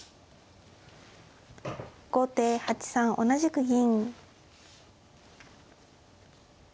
後手８三同じく銀。